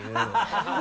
ハハハ